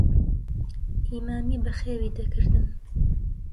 ئیمامی بەخێوی دەکردن.